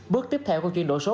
bước tiếp theo của chuyên đổi số